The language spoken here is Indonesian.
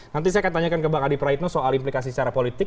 nanti saya akan tanyakan ke bang adi praitno soal implikasi secara politik